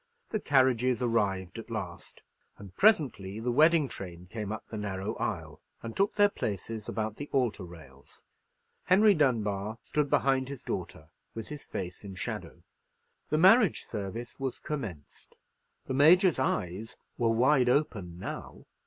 The carriages arrived at last; and presently the wedding train came up the narrow aisle, and took their places about the altar rails. Henry Dunbar stood behind his daughter, with his face in shadow. The marriage service was commenced. The Major's eyes were wide open now.